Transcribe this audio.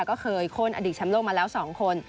ก็เคยค้นอดีตแชมป์โลกมาแล้ว๒คน